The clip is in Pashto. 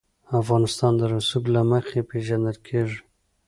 افغانستان د رسوب له مخې پېژندل کېږي.